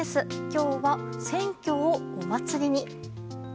今日は選挙をお祭りに。